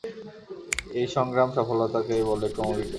এই সংগ্রামে সফলতাকেই বলে ক্রমবিকাশ।